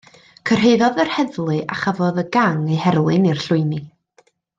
Cyrhaeddodd yr heddlu a chafodd y gang eu herlyn i'r llwyni.